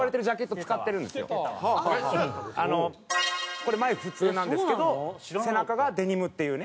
これ前普通なんですけど背中がデニムっていうね。